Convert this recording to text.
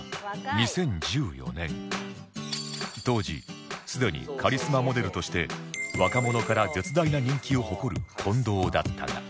当時すでにカリスマモデルとして若者から絶大な人気を誇る近藤だったが